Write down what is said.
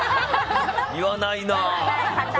言わないな。